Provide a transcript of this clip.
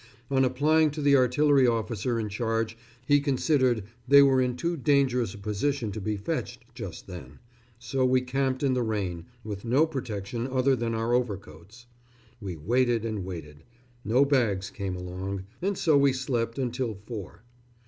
On applying to the artillery officer in charge he considered they were in too dangerous a position to be fetched just then, so we camped in the rain, with no protection other than our overcoats. We waited and waited. No bags came along, and so we slept until four....